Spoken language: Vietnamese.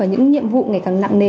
và những nhiệm vụ ngày càng nặng nề